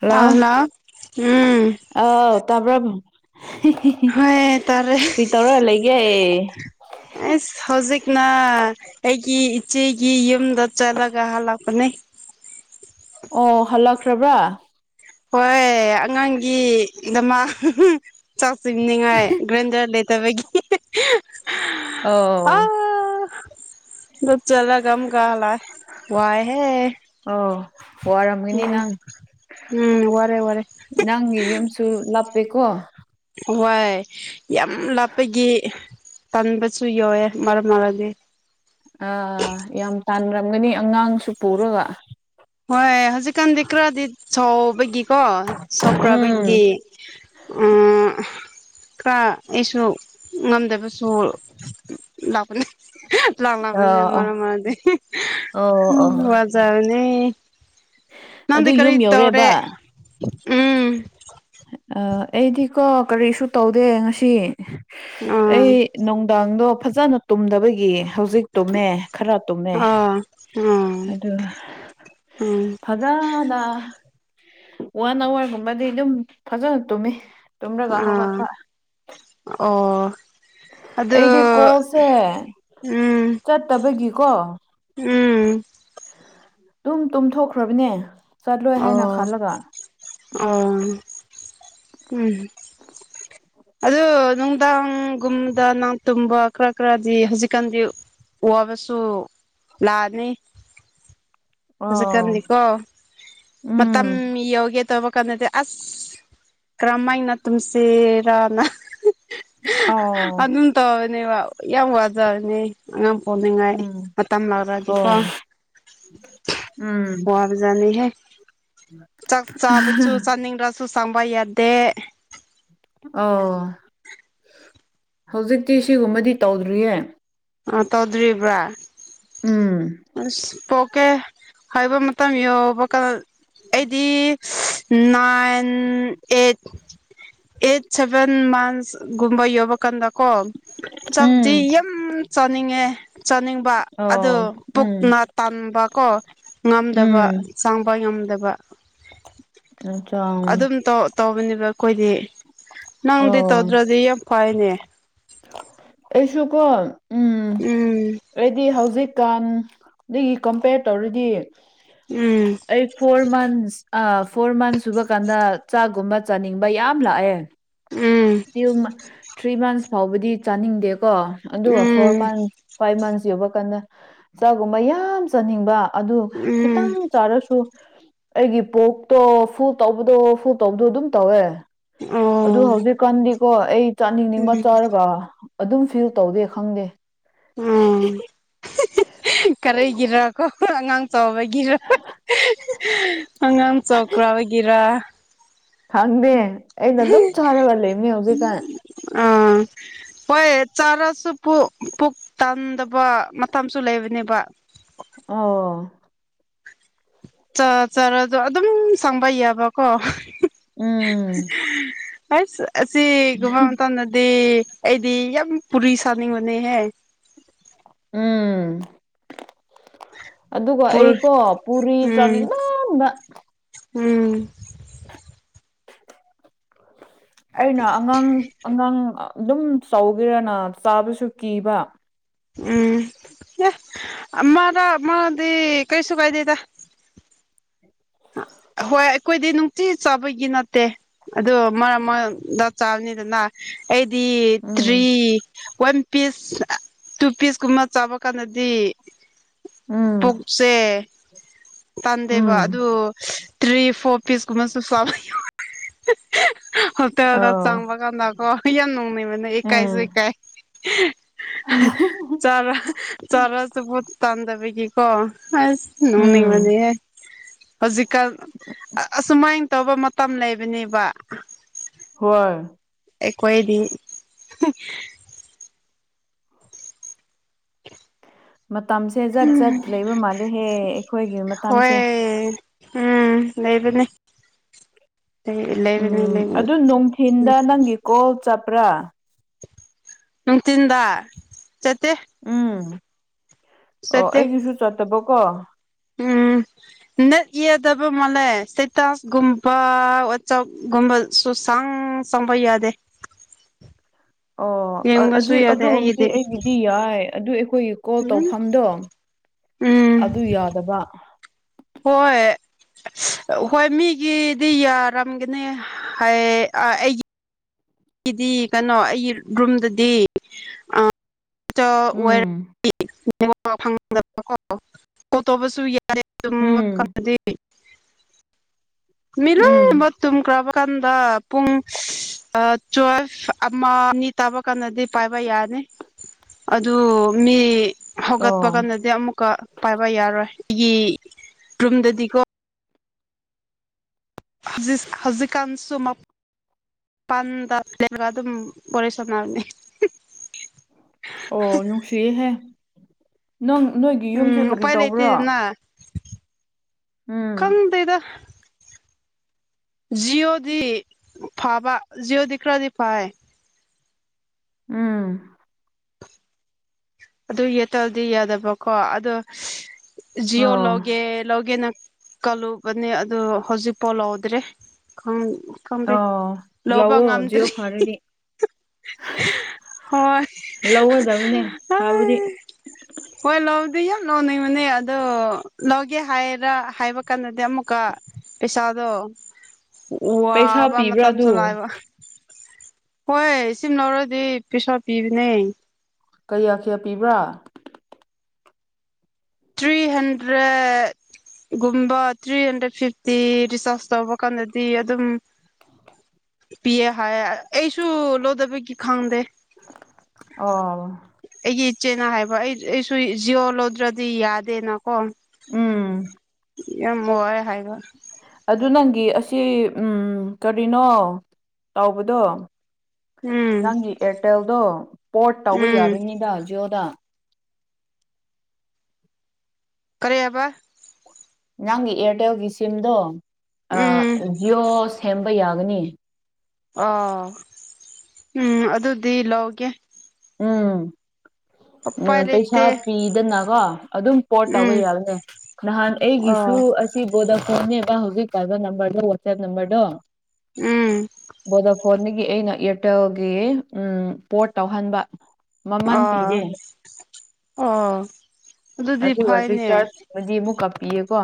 hello ꯎꯝ ꯑꯥꯎ ꯇꯥꯕ꯭ꯔꯝ ꯍꯣꯏ ꯇꯥꯔꯦ ꯀ꯭ꯔꯤ ꯇꯧꯔ ꯂꯩꯒꯦ ꯑꯁ ꯍꯧꯖꯤꯛꯅ ꯑꯩꯒꯤ ꯏꯆꯦꯒꯤ ꯌꯨꯝꯗ ꯆꯠꯂꯒ ꯍꯜꯂꯛꯄꯅꯦ ꯑꯣ ꯍꯜꯂꯛꯈ꯭ꯔꯕ꯭ꯔꯥ ꯍꯣꯏ ꯑꯉꯥꯡꯒꯤ ꯗꯃꯛ [unintelligible] ꯆꯥꯛ ꯆꯨꯝꯅꯤꯉꯥꯏ ꯒ꯭ꯔꯦꯟꯗꯔ ꯂꯩꯇꯕꯒꯤ [unintelligible] ꯑꯥ ꯑꯣ ꯒꯨꯞ ꯆꯠꯂꯒ ꯑꯃꯨꯛꯀ ꯍꯜꯂꯛꯑꯦ ꯋꯥꯏ ꯍꯦ ꯑꯣ ꯋꯥꯔꯝꯒꯅꯤ ꯅꯪ ꯎꯝ ꯋꯥꯔꯦ ꯋꯥꯔꯦ ꯅꯪꯒꯤ ꯌꯨꯝꯁꯨꯨ ꯂꯥꯞꯄꯦꯀꯣ ꯍ꯭ꯋꯥꯏ ꯌꯥꯝ ꯂꯥꯞꯄꯒꯤ ꯇꯟꯕꯁꯨ ꯌꯥꯎꯑꯦ ꯃꯔꯛ ꯃꯔꯛꯗꯤ ꯑꯥ ꯌꯥꯝ ꯇꯥꯟꯔꯝꯒꯅꯤ ꯑꯉꯥꯡꯁꯨ ꯄꯨꯔꯒ ꯍꯣꯏ ꯍꯧꯖꯤꯛꯀꯥꯟꯗꯤ ꯈꯔꯗꯤ ꯆꯥꯎꯕꯒꯤꯀꯣ ꯎꯝ ꯁꯣꯛꯀ꯭ꯔꯥꯕꯒꯤ ꯎꯝ ꯈꯔ ꯑꯩꯁꯨ ꯉꯝꯗꯕꯁꯨ ꯂꯥꯛꯄꯅꯦ [unintelligible] ꯂꯥꯛ ꯑ ꯂꯥꯛꯃꯤꯟꯅ ꯑ ꯃꯔꯝ ꯑꯣꯏꯔꯗꯤ ꯑꯣ ꯑꯣ [unintelligible] ꯋꯥꯖꯔꯅꯤ ꯅꯪꯗꯤ ꯑꯗꯨ ꯀꯔꯤ ꯌꯨꯝ ꯇꯧꯔꯦ ꯌꯧꯔꯦꯕ ꯎꯝ ꯑ ꯑꯩꯗꯤꯀꯣ ꯀꯔꯤꯁꯨ ꯇꯧꯗꯦ ꯉꯁꯤ ꯑꯥ ꯑꯩ ꯅꯨꯡꯗꯥꯡꯗꯣ ꯐꯖꯅ ꯇꯨꯝꯗꯕꯒꯤ ꯍꯧꯖꯤꯛ ꯇꯨꯝꯃꯦ ꯈꯔꯞ ꯇꯨꯝꯃꯦ ꯑꯥ ꯎꯝ ꯑꯗꯨꯒ ꯎꯝ ꯐꯖꯅ ꯋꯥꯟ ꯑꯋꯥꯔꯒꯨꯝꯕꯗꯤ ꯑꯗꯨꯝ ꯐꯖꯅ ꯇꯨꯝꯃꯤ ꯇꯨꯝꯔꯒ ꯑꯥ ꯍꯧꯒꯠꯄ ꯑꯣ ꯑꯗꯨ ꯑꯩꯗꯤ ꯀꯣꯜꯁꯦ ꯎꯝ ꯆꯠꯇꯕꯒꯤꯀꯣ ꯎꯝ ꯗꯨꯝ ꯇꯨꯝꯊꯣꯛꯈ꯭ꯔꯕꯅꯦ ꯆꯠꯂꯣꯏ ꯍꯥꯏꯅ ꯑꯣ ꯈꯜꯂꯒ ꯑꯣ ꯎꯝ ꯑꯗꯨ ꯅꯨꯡꯗꯥꯡꯒꯨꯝꯗ ꯅꯪ ꯇꯨꯝꯕ ꯈꯔ ꯈꯔꯗꯤ ꯍꯧꯖꯤꯛꯀꯥꯟꯗꯤ ꯋꯥꯕꯁꯨ ꯂꯥꯛꯑꯅꯤ ꯑꯣ ꯍꯧꯖꯤꯛꯀꯥꯟꯗꯤꯀꯣ ꯃꯇꯝ ꯎꯝ ꯌꯧꯒꯦ ꯇꯧꯕ ꯀꯥꯟꯅꯗꯦ ꯑꯁ ꯀꯔꯝꯃꯥꯏꯅ ꯇꯨꯝ ꯁꯦ ꯔꯥ ꯅ ꯑꯣ ꯑꯗꯨꯝ ꯇꯧꯔꯅꯦꯕ ꯌꯥꯝ ꯋꯥꯖꯔꯅꯤ ꯑꯉꯥꯡ ꯄꯣꯛꯅꯤꯡꯉꯥꯏ ꯎꯝ ꯃꯇꯝ ꯑꯣ ꯌꯧꯔꯛꯑꯗꯤꯀꯣ ꯎꯝ ꯋꯥꯕ ꯖꯥꯠꯅꯤꯍꯦ ꯆꯥꯛ ꯆꯥꯕꯁꯨ ꯆꯥꯅꯤꯡꯗ꯭ꯔꯁꯨ ꯆꯪꯕ ꯌꯥꯗꯦ ꯑꯣ ꯍꯧꯖꯤꯛꯇꯤ ꯁꯤꯒꯨꯝꯕꯗꯤ ꯇꯧꯗ꯭ꯔꯤꯌꯦ ꯑꯣ ꯇꯧꯗ꯭ꯔꯤꯕ꯭ꯔꯥ ꯎꯝ ꯑꯁ ꯄꯣꯛꯀꯦ ꯍꯥꯏꯕ ꯃꯇꯝ ꯌꯧꯕ ꯀꯥꯟ ꯑꯩꯗꯤ ꯅꯥꯏꯟ ꯑꯦꯠ ꯑꯩꯠ ꯁꯦꯚꯦꯟ ꯃꯥꯟꯁꯒꯨꯝꯕ ꯌꯧꯕ ꯀꯥꯟꯗꯀꯣ ꯆꯥꯛꯗꯤ ꯎꯝ ꯌꯥꯝ ꯆꯥꯅꯤꯡꯉꯦ ꯆꯥꯅꯤꯡꯕ ꯑꯗꯨ ꯑꯣ ꯎꯝ ꯄꯨꯛꯅ ꯇꯟꯕ ꯀꯣ ꯉꯝꯗꯕ ꯎꯝ ꯆꯡꯕ ꯉꯝꯗꯕ ꯑꯆꯥ ꯑꯗꯨꯝ ꯇꯧ ꯇꯧꯕꯅꯦꯕ ꯑꯩꯈꯣꯏꯗꯤ ꯅꯪꯗꯤ ꯑꯣ ꯇꯧꯗ꯭ꯔꯗꯤ ꯌꯥꯝ ꯐꯥꯏꯌꯦꯅꯦ ꯑꯩꯁꯨ ꯀꯣꯟ ꯎꯝ ꯑꯩꯗꯤ ꯍꯧꯖꯤꯛꯀꯥꯟꯗꯒꯤ ꯀꯝꯄꯦꯌꯔ ꯇꯧꯔꯗꯤ ꯎꯝ ꯑꯩ ꯐꯣꯔ ꯃꯟꯁ ꯑ ꯐꯣꯔ ꯃꯟꯁ ꯁꯨꯕ ꯀꯥꯟꯗ ꯆꯥꯛꯒꯨꯝꯕ ꯆꯥꯅꯤꯡꯕ ꯌꯥꯝ ꯂꯥꯛꯑꯦ [unintelligible] ꯊ꯭ꯔꯤ ꯃꯟꯁ ꯐꯥꯎꯕꯗꯤ ꯆꯥꯅꯤꯡꯗꯦ ꯀꯣ ꯑꯗꯨꯒ four um um months five months ꯌꯧꯕ ꯀꯥꯟꯗ ꯆꯥꯛꯒꯨꯝꯕ ꯌꯥꯝ ꯆꯥꯅꯤꯡꯕ ꯑꯗꯨ ꯈꯤ__ ꯎꯝ ꯇꯪ ꯆꯥꯔꯁꯨ ꯑꯩꯒꯤ ꯄꯣꯛꯇꯣ ꯐꯨꯜ ꯇꯧꯕꯗꯣ ꯐꯨꯜ ꯇꯧꯕꯗꯣ ꯑꯗꯨꯝ ꯇꯧꯋꯦ ꯑꯗꯨ ꯑꯣ ꯍꯧꯖꯤꯛꯀꯥꯟꯗꯤꯀꯣ ꯑꯩ ꯆꯥꯅꯤꯡꯅꯤꯡꯕ ꯎꯝ ꯆꯥꯔꯒ ꯑꯗꯨꯝ ꯐꯤꯜ ꯇꯧꯗꯦ ꯈꯪꯗꯦ ꯎꯝ ꯀꯔꯤꯒꯤꯔꯀꯣ ꯑꯉꯥꯡ ꯆꯥꯎꯕꯒꯤꯔ ꯑꯉꯥꯡ ꯆꯧꯀ꯭ꯔꯥꯕꯒꯤꯔꯥ ꯈꯪꯗꯦ ꯑꯩꯅ ꯑꯗꯨꯝ ꯆꯥꯔꯒ ꯂꯩꯕꯅꯦ ꯍꯧꯖꯤꯛꯀꯥꯟ ꯑꯥ ꯍꯣꯏ ꯆꯥꯔꯁꯨ ꯄꯨꯛ ꯄꯨꯛ ꯇꯥꯟꯗꯕ ꯃꯇꯝꯁꯨ ꯂꯩꯕꯅꯦꯕ ꯑꯣ ꯆ ꯆꯔꯁꯨ ꯑꯗꯨꯝ ꯁꯪꯕ ꯌꯥꯕꯀꯣ ꯎꯝ ꯍꯁ ꯑꯁꯤꯒꯨꯝꯕ ꯃꯇꯝꯗꯗꯤ ꯑꯩꯗꯤ ꯌꯥꯝ ꯄꯨꯔꯤ ꯁꯥꯅꯤꯡꯕꯅꯦꯍꯦ ꯎꯝ ꯑꯗꯨꯒ ꯄꯨꯔ ꯑꯩꯀꯣ ꯕꯨꯔꯤ ꯎꯝ ꯆꯥꯅꯤꯡ ꯌꯥꯝꯕ ꯎꯝ ꯑꯩꯅ ꯑꯉꯥꯡ ꯑꯉꯥꯡ ꯑꯗꯨꯝ ꯆꯧꯒꯦꯔꯅ ꯆꯥꯕꯁꯨ ꯀꯤꯕ ꯎꯝ ꯌꯦ ꯑꯃꯥꯔꯛ ꯑꯃꯥꯗꯤ ꯀꯩꯁꯨ ꯀꯥꯏꯗꯦꯗ ꯍꯣꯏ ꯑꯩꯈꯣꯏꯗꯤ ꯅꯨꯡꯇꯤ ꯆꯥꯕꯒꯤ ꯅꯠꯇꯦ ꯑꯗꯨ ꯃꯔꯛꯗ ꯆꯥꯕꯅꯤꯗꯅ ꯑꯩꯗꯤ ꯎꯝ three one piece two piece ꯀꯨꯝꯕ ꯆꯥꯕ ꯀꯥꯟꯗꯗꯤ ꯎꯝ ꯄꯨꯛꯁꯦ ꯇꯥꯟꯗꯦꯕ ꯎꯝ ꯑꯗꯣ ꯇ꯭ꯔꯤ ꯐꯣꯔ ꯄꯤꯁ ꯀꯨꯝꯕꯁꯨ ꯌꯥ ꯍꯣꯇꯦꯜꯗ ꯑꯥ ꯆꯪꯕ ꯀꯥꯟꯗꯀꯣ ꯌꯥꯝ ꯅꯣꯡꯅꯕꯅꯦ ꯎꯝ ꯏꯀꯥꯏꯁꯨ ꯏꯀꯥꯏ ꯆꯔꯥ ꯆꯥꯔꯁꯨ ꯄꯨꯛ ꯇꯥꯟꯗꯕꯒꯤꯀꯣ ꯑꯩꯁ ꯅꯣꯡꯅꯤꯡꯕꯅ ꯎꯝ ꯍꯧꯖꯤꯛꯀꯥꯟ ꯑ ꯑꯁꯨꯃꯥꯏꯅ ꯇꯧꯕ ꯃꯇꯝ ꯂꯩꯕꯅꯦꯕ ꯍꯣꯏ ꯑꯩꯀꯣꯏꯗꯤ ꯃꯇꯝꯁꯦ ꯖꯠ ꯖꯠ ꯂꯩꯕ ꯃꯥꯜꯂꯦꯍꯦ ꯑꯩꯈꯣꯏꯒꯤ ꯃꯇꯥꯡꯁꯦ ꯍꯣꯏ ꯎꯝ ꯂꯩꯩꯕꯅꯦ ꯎꯝ ꯑꯗꯨ ꯅꯨꯡꯊꯤꯟꯗ ꯎꯝ ꯅꯪꯒꯤ ꯀꯣꯜ ꯆꯠꯄ꯭ꯔꯥ ꯅꯨꯡꯊꯤꯟꯗ ꯆꯠꯇꯦ ꯎꯝ ꯑꯣ ꯆꯠꯇꯦ ꯑꯩꯒꯤꯁꯨ ꯆꯠꯇꯕꯀꯣ ꯎꯝ ꯅꯠ ꯌꯦꯗꯕ ꯃꯥꯜꯂꯦ ꯁꯇꯦꯇꯥꯁꯒꯨꯝꯕ ꯋꯥꯆꯞꯒꯨꯝꯕ ꯁꯨꯁꯥꯡ ꯆꯥꯡꯕ ꯌꯥꯗꯦ ꯑꯣ ꯌꯦꯡꯕꯁꯨ ꯑꯗꯤ ꯌꯥꯗꯦ ꯑꯗꯨꯒꯨꯝꯕꯗꯤ ꯑꯩꯒꯤꯗꯤ ꯌꯥꯏ ꯑꯗꯨ ꯑꯩꯈꯣꯏꯒꯤ ꯀꯣꯜ ꯎꯝ ꯇꯧꯐꯝꯗꯣ ꯎꯝ ꯑꯗꯨ ꯌꯥꯗꯕ ꯍꯣꯏ ꯍꯣꯏ ꯃꯤꯒꯤꯗꯤ ꯌꯥꯔꯝꯒꯅꯤ ꯍꯥꯏ ꯑ ꯑꯩꯒꯤ ꯑꯩꯗꯤ ꯀꯩꯅꯣ ꯑꯩꯒꯤ ꯔꯨꯝꯗꯗꯤ ꯆ ꯎꯝ ꯑꯣꯏ ꯎꯝ [unintelligible] ꯃꯤ ꯎꯝ ꯂꯣꯏꯕꯛ ꯇꯨꯝꯈ꯭ꯔꯕ ꯀꯥꯟꯗ ꯄꯨꯡ ꯇꯨꯋꯦꯜꯐ ꯑꯃ ꯑꯅꯤ ꯇꯥꯕ ꯀꯥꯟꯗꯗꯤ ꯄꯥꯏꯕ ꯌꯥꯅꯤ ꯑꯗꯨ ꯃꯤ ꯍꯧꯒꯠꯄ ꯑꯣ ꯀꯥꯟꯗꯗꯤ ꯑꯃꯨꯛꯀ ꯄꯥꯏꯕ ꯌꯥꯔꯣꯏ ꯑꯩꯒꯤ ꯔꯨꯝꯗꯗꯤꯀꯣ ꯍꯧꯖꯤꯁ ꯍꯧꯖꯤꯛꯀꯥꯟꯁꯨ ꯃ ꯄꯥꯟꯗ ꯂꯩꯔꯒ ꯑꯗꯨꯝ ꯋꯥꯔꯦ ꯁꯥꯟꯅꯕꯅꯤ ꯑꯣ ꯅꯨꯡꯁꯤꯍꯦ ꯅꯪ ꯅꯣꯏꯒꯤ ꯌꯨꯝꯁꯦ ꯎꯝ ꯀꯔꯤ ꯎꯄꯥꯏ ꯇꯧꯕ꯭ꯔꯣ ꯂꯩꯇꯦꯗꯅ ꯈꯪꯗꯦꯗ ꯖꯤꯌꯑꯣꯗꯤ ꯐꯥꯕ ꯖꯤꯌꯣꯗꯤ ꯈꯔꯗꯤ ꯐꯥꯏ ꯎꯝ ꯑꯗꯨ ꯌꯦꯠꯇꯕꯗꯤ ꯌꯥꯗꯕꯀꯣ ꯑꯗꯣ ꯖꯤꯑꯣ ꯑꯣ ꯂꯣꯒꯦ ꯂꯒꯦ ꯅ ꯀꯜꯂꯨꯕꯅꯦ ꯑꯗꯨ ꯍꯧꯖꯤꯛꯐꯥꯎ ꯂꯧꯗ꯭ꯔꯦ ꯈꯪꯗꯦ ꯑ ꯂꯧꯕ ꯂꯑꯣꯣꯖꯤꯣ ꯉꯝꯗ꯭ꯔꯤ ꯐꯥꯔꯦꯗꯤ ꯍꯣꯏ ꯑ ꯐꯕꯗꯤ ꯍꯣꯏ ꯂꯧꯗꯤ ꯌꯥꯝ ꯂꯧꯅꯤꯡꯕꯅꯦ ꯑꯗꯣ ꯂꯧꯒꯦ ꯍꯥꯏꯔ ꯍꯥꯏꯕ ꯀꯩꯅꯣꯗꯤ ꯑꯃꯨꯛꯀ ꯄꯩꯁꯥꯗꯣ ꯄꯩꯁꯥ ꯋꯥꯕ ꯄꯤꯕ꯭ꯔꯥ ꯃꯇꯝꯁꯨ ꯑꯗꯨ ꯂꯥꯛꯕ ꯍꯣꯏ ꯁꯤꯝ ꯂꯧꯔꯗꯤ ꯄꯩꯁꯥ ꯄꯤꯕꯅꯦ ꯀꯌꯥ ꯀꯌꯥ ꯄꯤꯕ꯭ꯔꯥ ꯊ꯭ꯔꯤ ꯍꯟꯗ꯭ꯔꯦꯠ ꯒꯨꯝꯕ ꯊ꯭ꯔꯤ ꯍꯟꯗ꯭ꯔꯦꯠ ꯐꯤꯐꯇꯤ ꯔꯤꯆꯥꯔꯖ ꯇꯧꯕ ꯀꯥꯟꯗꯗꯤ ꯑꯗꯨꯝ ꯄꯤꯌꯦ ꯍꯥꯏ ꯑꯩꯁꯨ ꯂꯣꯗꯕ ꯀ ꯈꯥꯎꯗꯦ ꯑ ꯑꯩꯒꯤ ꯏꯆꯦꯅ ꯍꯥꯏꯕ ꯑꯩ ꯑꯩꯁꯨ ꯖꯤꯌꯑꯣ ꯂꯧꯗ꯭ꯔꯗꯤ ꯌꯥꯗꯦꯅꯀꯣ ꯎꯝ ꯌꯥꯝ ꯋꯥꯅꯨꯡ ꯍꯥꯏꯕ ꯑꯗꯨ ꯅꯪꯒꯤ ꯑꯁꯤ ꯎ ꯀꯔꯤꯅꯣ ꯆꯥꯎꯥꯎꯕꯗꯣ ꯎꯝ ꯅꯪꯒꯤ ꯑꯦꯌꯥꯔꯇꯦꯜꯗꯣ ꯄꯣꯔꯠ ꯇꯧꯕ ꯎꯝ ꯌꯥꯔꯣꯏꯅꯤꯗ ꯖꯤꯑꯣꯣꯗ ꯀꯔꯦ ꯍꯥꯏꯕ ꯅꯪꯒꯤ ꯏꯌꯥꯔꯇꯦꯜꯒꯤ ꯁꯤꯝꯗꯣ ꯎꯝ ꯖꯤꯌꯑꯣ ꯁꯦꯝꯕ ꯌꯥꯒꯅꯤ ꯑꯣ ꯎꯝ ꯑꯗꯨꯗꯤ ꯂꯧꯒꯦ ꯎꯝ ꯎꯄꯥꯏ ꯎꯝ ꯄꯩꯁꯥ ꯂꯩꯇꯦ ꯄꯤ ꯑꯗꯨꯅ ꯀꯣ ꯑꯗꯨꯝ ꯄꯠ ꯇꯧꯕ ꯎꯝ ꯌꯥꯕꯅꯦ ꯅꯍꯥꯟ ꯑꯩꯒꯤꯁꯨ ꯑꯣ ꯁꯤ ꯕꯣꯗ ꯐꯣꯟꯅꯦꯕ ꯍꯧꯖꯤꯛ ꯀꯥꯏꯕ ꯅꯝꯕꯔꯗꯣ ꯋꯥꯆꯦꯞ ꯅꯝꯕꯔꯗꯣ ꯎꯝ ꯕꯣꯗ ꯐꯣꯟꯗꯒꯤ ꯑꯩꯅ ꯏꯌꯥꯔꯇꯦꯜꯒꯤ ꯎ ꯄꯣꯠ ꯇꯧꯍꯟꯕ ꯃꯃꯟ ꯑꯣ ꯄꯤꯔꯦ ꯑꯣ ꯑꯗꯨꯗꯤ ꯑꯗꯨꯒꯗꯤ ꯆꯔ ꯐꯩꯅꯦ ꯑꯗꯨꯗꯤ ꯑꯃꯨꯛ ꯀꯥꯞꯄꯤꯌꯦꯀꯣ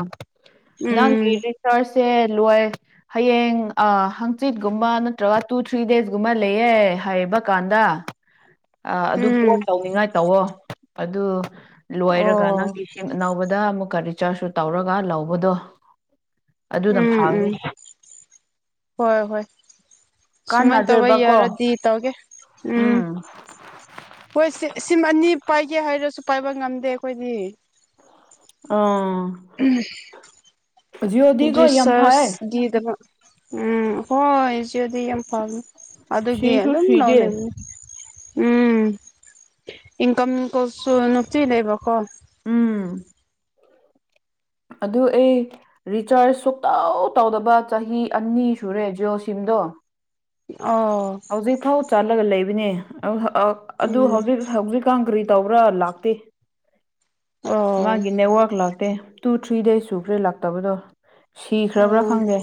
ꯅꯪꯒꯤ ꯎꯝ ꯔꯤꯆꯥꯔꯁꯁꯦ ꯂꯣꯏ ꯍꯌꯦꯡ ꯍꯪꯆꯤꯠꯀꯨꯝꯕ ꯅꯠꯇ꯭ꯔꯒ ꯇꯨ ꯊ꯭ꯔꯤ ꯗꯦꯖꯀꯨꯝꯕ ꯂꯩꯌꯦ ꯍꯥꯏꯕ ꯀꯥꯟꯗ ꯑꯗꯨ ꯄꯣꯠ ꯎꯝ ꯇꯧꯅꯤꯉꯥꯏ ꯇꯧꯋꯣ ꯑꯗꯨ ꯂꯣꯏꯔꯒ ꯑꯣ ꯅꯪꯒꯤ ꯅꯧꯕꯗ ꯑꯃꯨꯛꯀ ꯔꯤꯆꯥꯔꯖꯁꯨ ꯇꯧꯔꯒ ꯂꯧꯕꯗꯣ ꯑꯗꯨꯗ ꯎꯝ ꯎꯝ ꯐꯅꯤ ꯍꯣꯏ ꯍꯣꯏ ꯁꯨꯃꯥꯏꯅ ꯇꯧꯧꯕ ꯀꯥꯟꯅꯗꯦꯕꯀꯣ ꯌꯥꯔꯗꯤ ꯇꯧꯒꯦ ꯎꯝ ꯍꯣꯏ ꯁꯤ ꯁꯤꯝ ꯑꯅꯤ ꯄꯥꯏꯒꯦ ꯍꯥꯏꯔꯁꯨ ꯄꯥꯏꯕ ꯉꯝꯗꯦ ꯑꯩꯈꯣꯏꯗꯤ ꯑꯥ ꯖꯤꯑꯣꯗꯤꯀꯣ ꯗꯔꯤꯁ ꯌꯥꯝ ꯐꯩ ꯆꯔꯁꯒꯤꯗꯕ ꯎꯝ ꯍꯣꯏ ꯍꯧꯖꯤꯗꯤ ꯌꯥꯝ ꯐꯉꯦ ꯑꯗꯨꯒꯤ ꯁꯤꯁꯨ ꯁꯤꯗꯦ ꯅꯅꯦ ꯎꯝ ꯏꯟꯀꯝ ꯀꯁꯨ ꯅꯠꯇ ꯂꯩꯕ ꯀꯣ ꯎꯝ ꯑꯗꯨ ꯑꯩ ꯔꯤꯆꯥꯔꯖ ꯁꯨꯇꯧ ꯇꯧꯗꯕ ꯆꯍꯤ ꯑꯅꯤ ꯁꯨꯔꯦ ꯖꯤꯑꯣ ꯁꯤꯝꯗꯣ ꯑꯣ ꯍꯧꯖꯤꯛ ꯊꯥꯎ ꯆꯥꯜꯂꯒ ꯂꯩꯕꯅꯦ ꯑꯗꯨ ꯎꯝ ꯍꯧꯖꯤꯛ ꯍꯧꯖꯤꯛꯀꯥꯟ ꯀꯔꯤ ꯇꯧꯕ꯭ꯔꯥ ꯂꯥꯛꯇꯦ ꯑꯣ ꯃꯥꯒꯤ ꯅꯦꯠꯋꯔꯛ ꯂꯥꯛꯇꯦ ꯇꯨ ꯊ꯭ꯔꯤ ꯗꯦꯁ ꯁꯨꯈ꯭ꯔꯦ ꯂꯥꯛꯇꯕꯗꯣ ꯁꯤꯈ꯭ꯔꯕ꯭ꯔꯥ ꯑꯣ ꯈꯪꯗꯦ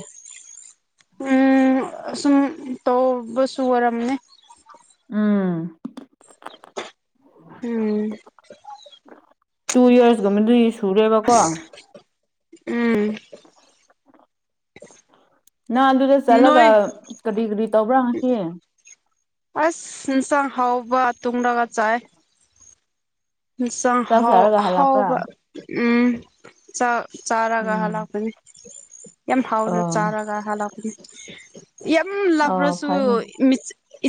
ꯎꯝ ꯁꯨꯝ ꯇꯣ ꯁ ꯑꯣꯏꯔꯝꯅꯦ ꯎꯝ ꯎꯝ ꯇꯨ ꯏꯔꯁꯒ ꯎꯝ ꯅꯪ ꯑꯗꯨꯗ ꯆꯠꯂꯒ ꯅꯣꯏ ꯀꯔꯤ ꯀꯔꯤ ꯇꯧꯕ꯭ꯔꯥ ꯍꯪꯁꯤ ꯑꯁ ꯏꯟꯁꯥꯡ ꯍꯥꯎꯕ ꯇꯨꯡꯔꯒ ꯆꯥꯏ ꯆ ꯆꯥꯛ ꯍꯥꯎ ꯆꯥꯔꯒ ꯍꯜꯂꯛꯄ꯭ꯔꯥ ꯍꯥꯎꯕ ꯎꯝ ꯆꯥꯔꯒ ꯎꯝ ꯍꯜꯂꯛꯄꯅꯤ ꯌꯥꯝ ꯍꯥꯎꯅ ꯑꯥ ꯆꯥꯔꯒ ꯍꯜꯂꯛꯄꯅꯤ ꯌꯥꯝ ꯑꯥ ꯂꯕ꯭ꯔꯁꯨ ꯐꯩꯅꯦ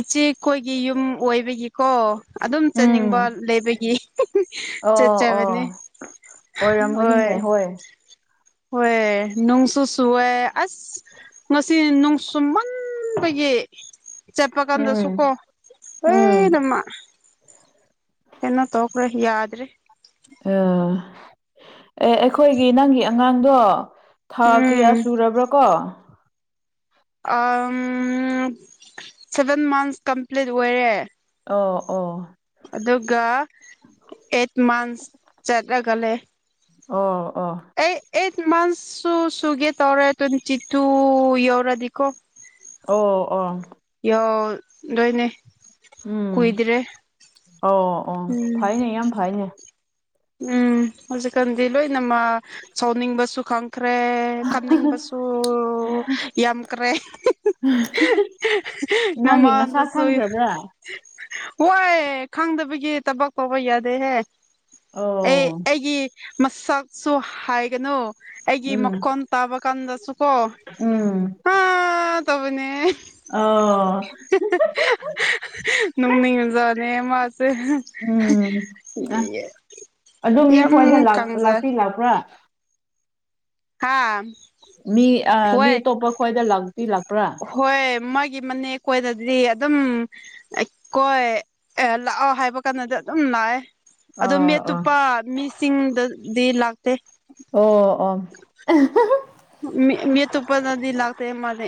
ꯏꯆꯦꯈꯣꯏꯒꯤ ꯌꯨꯝ ꯑꯣꯏꯕꯒꯤ ꯀꯣ ꯑꯗꯨꯝ ꯆꯥꯅꯤꯡꯕ ꯎꯝ ꯂꯩꯕꯒꯤ ꯑꯣ ꯑꯣ ꯆꯠꯆꯕꯅꯦ ꯍꯣꯏ ꯍꯣꯏꯑ ꯅꯨꯡꯁꯨ ꯁꯨꯋꯦ ꯑꯁ ꯉꯁꯤ ꯅꯨꯡꯁꯨꯨꯝꯃꯟꯕꯒꯤ ꯆꯠꯄ ꯀꯥꯟꯗꯁꯨ ꯎꯝ ꯀꯣ ꯎꯝ ꯍꯣꯏꯅꯃ ꯑꯦꯅꯣ ꯇꯒ꯭ꯔꯦ ꯌꯥꯗ꯭ꯔꯤ ꯑ ꯑꯦ ꯑꯩꯈꯣꯏꯒꯤ ꯅꯪꯒꯤ ꯑꯉꯥꯡꯗꯣ ꯊꯥ ꯀꯌꯥ ꯎꯝ ꯆꯨꯔꯕ꯭ꯔꯣ ꯀꯣ ꯁꯚꯦꯟ ꯃꯟꯁ ꯀꯝꯄ꯭ꯂꯤꯠ ꯑꯣꯏꯔꯦ ꯑꯣ ꯑꯣ ꯑꯗꯨꯒ ꯑꯩꯠ ꯃꯟꯁ ꯆꯠꯂꯒ ꯂꯩ ꯑꯣ ꯑꯣ ꯑꯩ ꯑꯩꯠ ꯃꯟꯊꯁꯁꯨ ꯁꯨꯒꯦ ꯇꯧꯔꯦ ꯇ꯭ꯋꯦꯟꯇꯤ ꯇꯨ ꯌꯧꯔꯗꯤꯀꯣ ꯑꯣ ꯑꯣ ꯌꯥꯎꯗꯣꯏꯅꯦ ꯎꯝ ꯀꯨꯏꯗ꯭ꯔꯦ ꯑꯣ ꯑꯣ ꯎꯝ ꯐꯩꯅꯦ ꯌꯥꯝ ꯐꯩꯅꯦ ꯎꯝ ꯍꯧꯖꯤꯛꯀꯥꯟꯗꯤ ꯂꯣꯏꯅꯃ ꯁꯥꯎꯅꯤꯡꯕꯁꯨ ꯈꯪꯈ꯭ꯔꯦ ꯈꯝꯅꯤꯡꯕꯁꯨ ꯌꯥꯝꯈ꯭ꯔꯦ ꯅꯪꯒꯤ ꯃꯁꯥ ꯃꯃꯥꯗꯁꯨꯣ ꯈꯪꯈ꯭ꯔꯕ꯭ꯔꯥ ꯍꯣꯏ ꯈꯪꯗꯕꯒꯤ ꯊꯕꯛ ꯇꯧꯕ ꯌꯥꯗꯦꯍꯦ ꯑꯦ ꯑꯣ ꯑꯩꯒꯤ ꯃꯁꯛꯁꯨ ꯍꯥꯏꯒꯅꯨ ꯑꯩꯒꯤ ꯎꯝ ꯃꯀꯣꯟ ꯇꯥꯕ ꯀꯥꯟꯗꯁꯨ ꯀꯣ ꯎꯝ ꯑꯥ ꯇꯕꯨꯅꯦ ꯑꯣ ꯅꯨꯡ ꯅꯤꯡ ꯃꯖꯥꯅꯦ ꯃꯥꯁꯦ ꯎꯝ ꯑ ꯑꯗꯨ ꯃꯤ ꯌꯥꯝ ꯈꯣꯏꯏꯗ ꯀꯪꯖꯩ ꯂꯥꯛꯄꯤ ꯂꯥꯛꯄ꯭ꯔꯥ ꯍꯥꯥ ꯃꯤ ꯃꯤ ꯑꯇꯣꯞꯄ ꯈ꯭ꯋꯥꯏꯗ ꯂꯥꯛꯇꯤ ꯂꯥꯛꯄ꯭ꯔꯥ ꯍꯣꯏ ꯃꯥꯒꯤ ꯃꯅꯦꯦꯛ ꯀꯣꯏꯗꯗꯤ ꯑꯗꯨꯝ ꯀꯣꯏ ꯂꯥꯛꯑꯣ ꯍꯥꯏꯕ ꯀꯥꯟꯗꯗꯤ ꯑꯗꯨꯝ ꯂꯥꯛꯑꯦ ꯑꯣ ꯑꯥ ꯃꯦꯠ ꯑꯥ ꯑꯇꯣꯞꯄ ꯃꯤꯁꯤꯡꯗꯗꯤ ꯂꯥꯛꯇꯦ ꯑꯣ ꯑꯣ ꯃ ꯇꯨꯞꯄꯗꯗꯤ ꯂꯥꯛꯇꯦ ꯃꯦ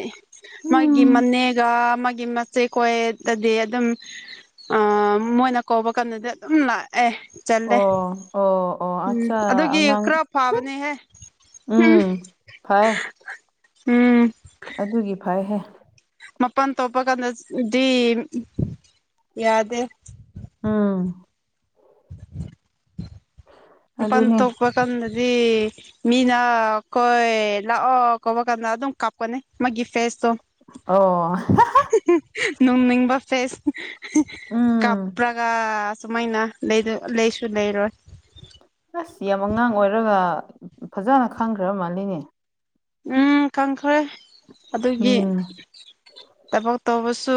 ꯃꯥꯒꯤ ꯎꯝ ꯃꯅꯦꯒ ꯃꯥꯒꯤ ꯃꯆꯦ ꯀꯣꯏ ꯑꯗꯤ ꯑꯗꯨꯝ ꯑ ꯃꯣꯏꯅ ꯀꯧꯕ ꯀꯥꯟꯗꯗꯤ ꯑꯗꯨꯝ ꯂꯥꯛꯑꯦ ꯆꯜꯂꯦ ꯑꯣ ꯑꯣ ꯑꯣ ꯎꯝ ꯑꯠꯆꯥ ꯑꯗꯨꯒꯤ ꯑꯉꯥꯡ ꯈꯔ ꯐꯥꯕꯅꯦꯍꯦ ꯎꯝ ꯐꯥꯏ ꯎꯝ ꯑꯗꯨꯒꯤ ꯐꯩꯍꯦ ꯃꯄꯥꯟ ꯇꯣꯞꯄ ꯀꯥꯟꯗꯗꯤ ꯌꯥꯗꯦ ꯑꯥ ꯃꯄꯥꯟ ꯑꯗꯨꯅꯦ ꯊꯣꯛꯄ ꯀꯥꯟꯗꯗꯤ ꯃꯤꯅ ꯀꯣꯏ ꯂꯥꯛꯑꯣ ꯀꯄ ꯀꯥꯟꯗ ꯑꯗꯨꯝ ꯀꯥꯞꯀꯅꯤ ꯃꯥꯒꯤ ꯐꯦꯁꯇꯣ ꯑꯣ ꯅꯣꯡꯅꯤꯡꯕ ꯐꯦꯁ ꯎꯝ ꯀꯥꯞꯄ꯭ꯔꯒ ꯁꯨꯃꯥꯏꯅ ꯂꯩꯁꯨ ꯂꯩꯔꯣꯏ ꯑꯁ ꯌꯥꯝ ꯑꯉꯥꯡ ꯑꯣꯏꯔꯒ ꯐꯖꯅ ꯈꯪꯈ꯭ꯔ ꯃꯥꯜꯂꯤꯅꯦ ꯎꯝ ꯀꯪꯈ꯭ꯔꯦ ꯑꯗꯨꯒꯤ ꯎꯝ ꯊꯕꯛ ꯇꯧꯕꯁꯨ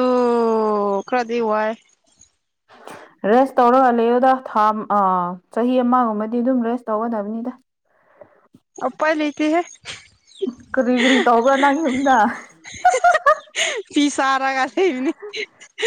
ꯈꯔꯗꯤ ꯋꯥꯏ ꯔꯦꯁ ꯇꯧꯔꯒ ꯂꯩꯌꯣꯗ ꯊꯥ ꯑ ꯆꯍꯤ ꯑꯃꯒꯨꯝꯕꯗꯤ ꯑꯗꯨꯝ ꯔꯦꯁ ꯇꯧꯒꯗꯕꯅꯤꯗ ꯑꯄ ꯂꯩꯇꯍꯦ ꯀꯔꯤ ꯀꯔꯤ ꯇꯧꯕ꯭ꯔꯥ ꯅꯪꯒꯤ ꯌꯝꯗ ꯐꯤ ꯁꯔꯥ ꯀꯔꯦꯅꯦ